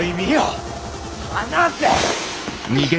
離せ！